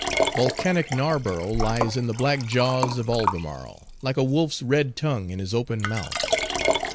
Volcanic Narborough lies in the black jaws of Albemarle like a wolf's red tongue in his open month.